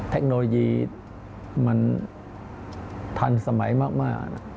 เทคโนโลยีมันทันสมัยมาก